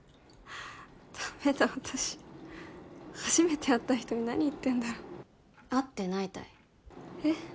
ダメだ私初めて会った人に何言ってんだろ会ってないたいえ？